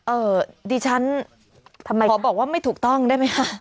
เอ่อดิฉันทำไมขอบอกว่าไม่ถูกต้องได้ไหมคะ